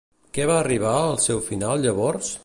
Què va arribar al seu final llavors?